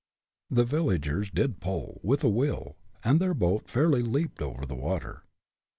The villagers did pull, with a will, and their boat fairly leaped over the water.